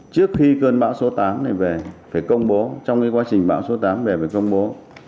trước khi cơn bão số tám này về phải công bố trong quá trình bão số tám về phải công bố